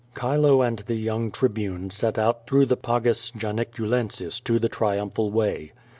Chilo and the young Tribune set out through the Pagus Janiculensis to the Triumphal Way.